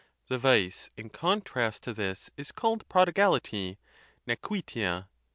The vice in contrast to this is called prodigality (nequitia).